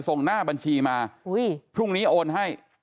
ส่งหน้าบัญชีมาพรุ่งนี้โอนให้